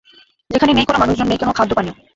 যেখানে নেই কোন মানুষজন, নেই কোন খাদ্য-পানীয়।